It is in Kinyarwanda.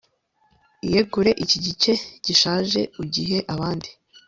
iyegure iki gice gishaje ugihe abandi